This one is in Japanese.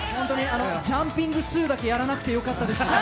ジャンピングスーだけやらなくてよかったです。